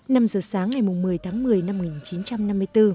năm giờ sáng ngày một mươi tháng một mươi năm một nghìn chín trăm năm mươi bốn